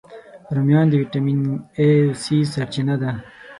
رومیان د ویټامین A، C سرچینه ده